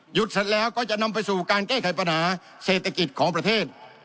เสร็จแล้วก็จะนำไปสู่การแก้ไขปัญหาเศรษฐกิจของประเทศ